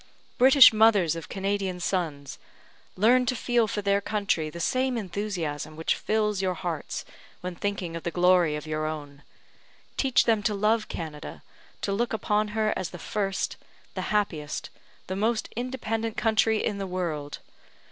British mothers of Canadian sons! learn to feel for their country the same enthusiasm which fills your hearts when thinking of the glory of your own. Teach them to love Canada to look upon her as the first, the happiest, the most independent country in the world!